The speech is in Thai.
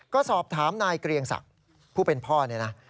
ก็สอบถามนายเกรียงศักดิ์ผู้เป็นพ่อเนี่ยนะ